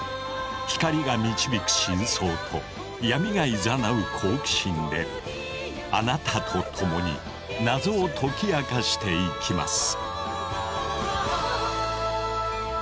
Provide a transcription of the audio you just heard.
光が導く真相と闇がいざなう好奇心であなたと共に謎を解き明かしていきます。